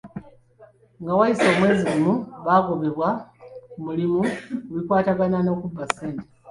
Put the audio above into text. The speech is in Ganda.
Nga wayise omwezi gumu baagobebwa ku mulimu ku bikwatagana n'okubba ssente.